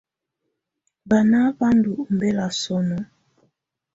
Banà bà ndù ɔmbɛla sɔ̀nɔ.